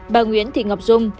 bà nguyễn thị ngọc dung